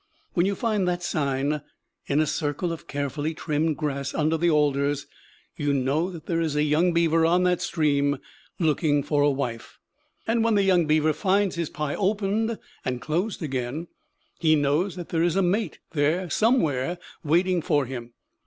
When you find that sign, in a circle of carefully trimmed grass under the alders, you know that there is a young beaver on that stream looking for a wife. And when the young beaver finds his pie opened and closed again, he knows that there is a mate there somewhere waiting for him.